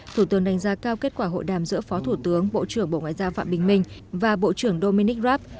thủ tướng đánh giá cao kết quả hội đàm giữa phó thủ tướng bộ trưởng bộ ngoại giao phạm bình minh và bộ trưởng dominic raab